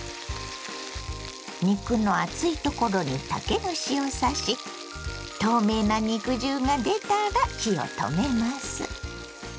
肉の厚いところに竹串を刺し透明な肉汁が出たら火を止めます。